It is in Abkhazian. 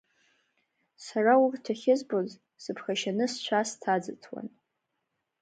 Сара урҭ ахьызбоз сыԥхашьаны сцәа сҭаӡыҭуан.